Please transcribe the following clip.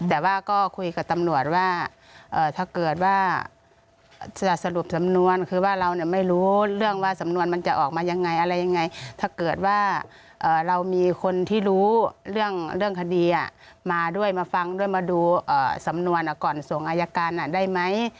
แต่ว่าก็คุยกับตำรวจว่าถ้าเกิดว่าจะสรุปสำนวนคือว่าเราเนี่ยไม่รู้เรื่องว่าสำนวนมันจะออกมายังไงอะไรยังไงถ้าเกิดว่าเรามีคนที่รู้เรื่องคดีมาด้วยมาฟังด้วยมาดูสำนวนก่อนส่งอายการได้ไหม